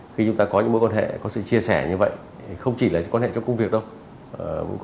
khi chúng ta có những mối quan hệ có sự chia sẻ như vậy không chỉ là quan hệ trong công việc đâu